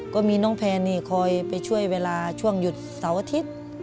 ก็มีน้องแพนนี่คอยไปช่วยเวลาช่วงหยุดเสาร์อาทิตย์